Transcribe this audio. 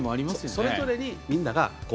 それぞれにみんなが。